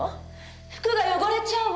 服が汚れちゃうわ。